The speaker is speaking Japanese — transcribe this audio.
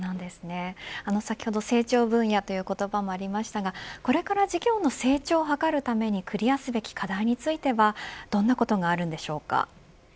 先ほど、成長分野という言葉もありましたがこれから事業の成長を図るためにクリアすべき課題についてはどんなことがあるんでしょうか。